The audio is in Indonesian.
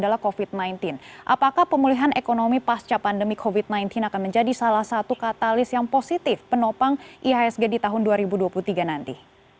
apakah pemulihan ekonomi pasca pandemi covid sembilan belas akan menjadi salah satu katalis yang positif penopang ihsg di tahun dua ribu dua puluh tiga nanti